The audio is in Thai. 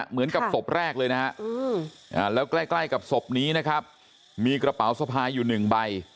เหมือนกับศพแรกเลยนะฮะแล้วใกล้ใกล้กับศพนี้นะครับมีกระเป๋าสะพายอยู่หนึ่งใบ